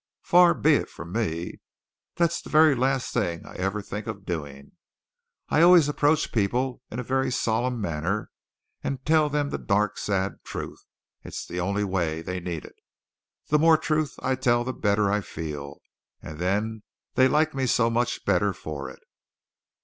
Far be it from me! That's the very last thing I ever think of doing. I always approach people in a very solemn manner and tell them the dark sad truth. It's the only way. They need it. The more truth I tell the better I feel. And then they like me so much better for it."